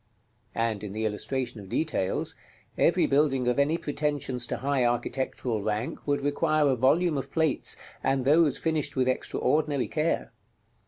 And in the illustration of details, every building of any pretensions to high architectural rank would require a volume of plates, and those finished with extraordinary care.